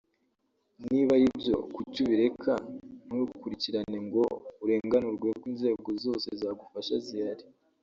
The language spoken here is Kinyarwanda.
niba aribyo kuki ubireka ntukurikirane ngo urenganurwe ko inzego zose zagufasha zihari